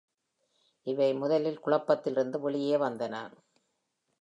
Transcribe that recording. இவை முதலில் குழப்பத்திலிருந்து வெளியே வந்தன.